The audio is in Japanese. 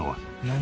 「何？